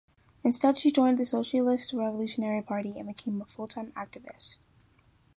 Instead she joined the Socialist-Revolutionary Party, and became a full-time activist.